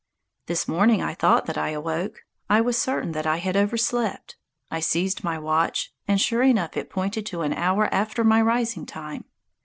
This morning I thought that I awoke. I was certain that I had overslept. I seized my watch, and sure enough, it pointed to an hour after my rising time.